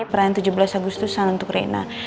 peran tujuh belas agustusan untuk rina